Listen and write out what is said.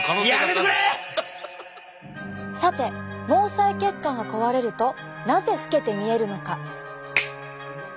さて毛細血管が壊れるとなぜ老けて見えるのか？